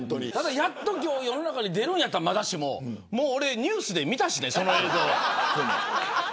やっと世の中に出るならまだしも俺もうニュースで見たしねその映像。